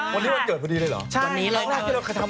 วันนี้วันเกิดพอดีเลยเหรอ